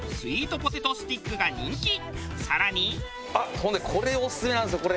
ほんでこれオススメなんですよこれ。